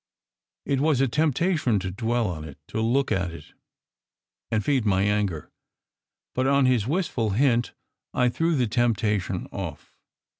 It was a temptation to dwell on it, to look at it and feed my anger; but on his wistful hint I threw the tempta tion off.